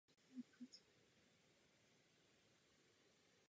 Není to jen záležitost etiky, ale záležitost politické strategie.